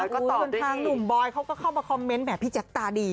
ก็ตอนทางหนุ่มบอยเขาก็เข้ามาคอมเมนต์แบบพี่แจ๊คตาดี